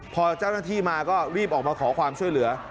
พอเจ้าหน้าที่มาก็รีบออกมาขอความช่วยเหลือ